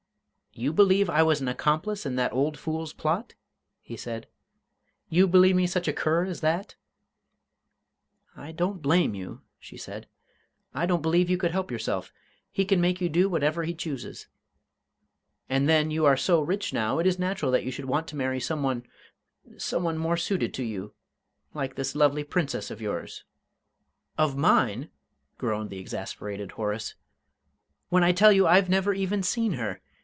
"You believe I was an accomplice in that old fool's plot?" he said. "You believe me such a cur as that?" "I don't blame you," she said. "I don't believe you could help yourself. He can make you do whatever he chooses. And then, you are so rich now, it is natural that you should want to marry some one some one more suited to you like this lovely Princess of yours." "Of mine!" groaned the exasperated Horace. "When I tell you I've never even seen her!